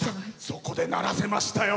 そこで鳴らせましたよ。